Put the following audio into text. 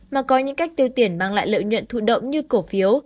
mà có những cách tiêu tiền mang lại lợi nhuận thụ động như cổ phiếu